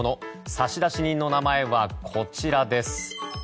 差出人の名前はこちらです。